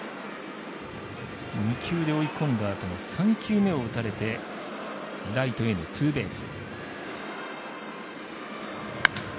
２球で追い込んだあとの３球目で打たれてライトへのツーベース。